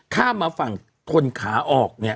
ข้ามมาฝั่งทนขาออกเนี่ย